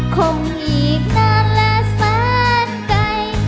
คงอีกนานและสั้นใกล้